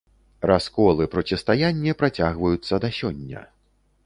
Раскол і процістаянне працягваюцца да сёння.